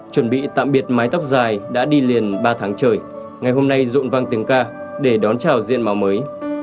chuẩn bị tạm biệt mái tóc dài đã đi liền ba tháng trời ngày hôm nay rộn vang tiếng ca để đón chào diện màu mới